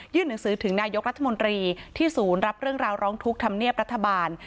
หนังสือถึงนายกรัฐมนตรีที่ศูนย์รับเรื่องราวร้องทุกข์ธรรมเนียบรัฐบาล